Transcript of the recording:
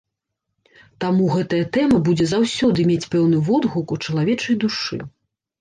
Таму гэтая тэма будзе заўсёды мець пэўны водгук у чалавечай душы.